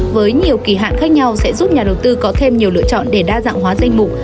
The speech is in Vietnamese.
với nhiều kỳ hạn khác nhau sẽ giúp nhà đầu tư có thêm nhiều lựa chọn để đa dạng hóa danh mục